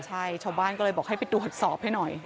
ใช่ชาวบ้านก็เลยบอกให้ไปตรวจสอบให้หน่อย